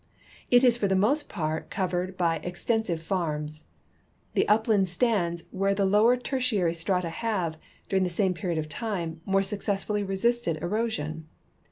It is for the most jiart covered b}^ ex tensive farms. The uiiland stands where the lower Tertiarv strata have, during the same period of time, more successfully resisted erosion.